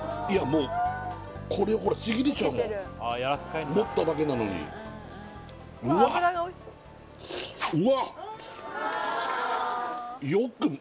もうこれほらちぎれちゃうもん持っただけなのにうわっうわっ！